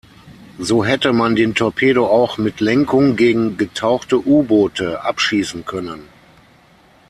So hätte man den Torpedo auch mit Lenkung gegen getauchte U-Boote abschießen können.